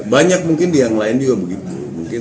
banyak mungkin di yang lain juga begitu